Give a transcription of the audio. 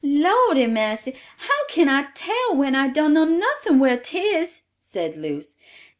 "Lordy massy! How can I tell, when I dun know nothin' whar 'tis," said Luce.